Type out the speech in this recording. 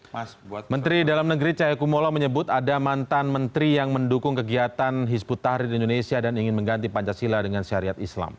menteri dalam negeri cahaya kumolo menyebut ada mantan menteri yang mendukung kegiatan hizbut tahrir indonesia dan ingin mengganti pancasila dengan syariat islam